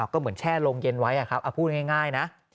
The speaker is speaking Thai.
ก็เหมือนแช่โรงเย็นไว้พูดง่ายนะ